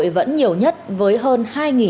hà nội vẫn nhiều nhất với hơn